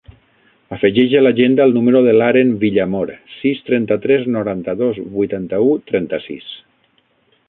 Afegeix a l'agenda el número de l'Aren Villamor: sis, trenta-tres, noranta-dos, vuitanta-u, trenta-sis.